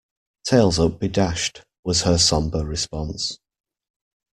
"Tails up be dashed," was her sombre response.